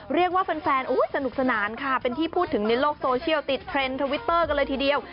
เรียกว่าแฟนสนุกสนานค่ะเป็นที่พูดถึงในโลกโซเชียลติดเทรนด์ทวิตเตอร์กันเลยทีเดียว